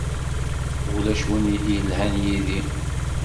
Ulac win i d-yelhan yid-i.